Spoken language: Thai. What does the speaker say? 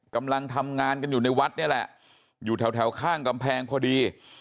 กำลังทำงานกันอยู่ในวัดนี่แหละอยู่แถวข้างกำแพงพอดี